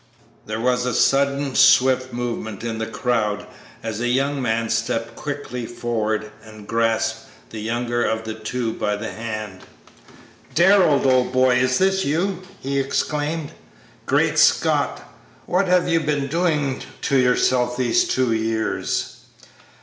There was a sudden, swift movement in the crowd as a young man stepped quickly forward and grasped the younger of the two by the hand. "Darrell, old boy! is this you?" he exclaimed; "Great Scott! what have you been doing to yourself these two years?"